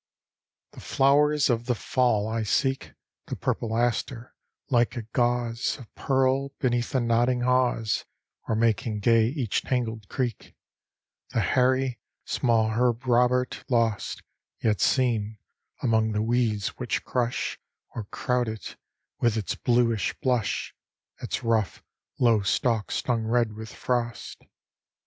XVIII The flowers of the fall I seek: The purple aster, like a gauze Of pearl, beneath the nodding haws Or making gay each tangled creek: The hairy, small herb Robert, lost, Yet seen, among the weeds which crush Or crowd it, with its bluish blush; Its rough, low stalk stung red with frost.